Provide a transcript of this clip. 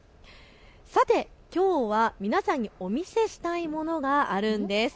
さて、きょうは皆さんにお見せしたいものがあるんです。